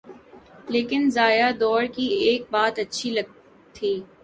لیکن ضیاء دور کی ایک بات اچھی تھی۔